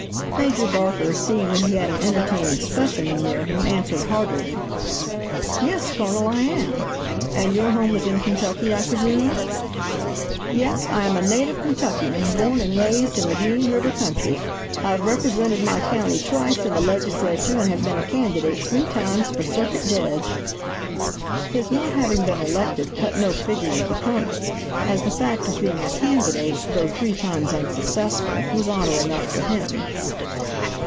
Major Barker, seeing that he had an entertaining specimen near him, answered heartily: "Yes, Colonel, I am. And your home is in Kentucky, I presume?" "Yes, I am a native Kentuckian, born and raised in the Green River country. I've represented my county twice in the Legislature, and have been a candidate three times for Circuit Jedge." His not having been elected cut no figure with the Colonel, as the fact of being a candidate, though three times unsuccessful, was honor enough for him.